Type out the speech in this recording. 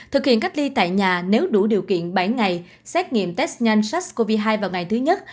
thực hiện cách ly tại nhà nếu đủ điều kiện bảy ngày xét nghiệm test nhanh sars cov hai vào ngày thứ nhất